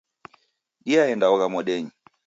Diaenda ogha modenyi